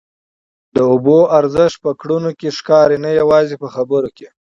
د اوبو ارزښت په کړنو کي ښکاري نه یوازي په خبرو کي.